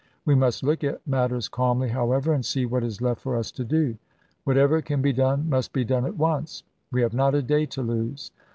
We must look at matters calmly, however, and see what is left for us to do. April, 1865. Whatever can be done must be done at once. We have not a day to lose."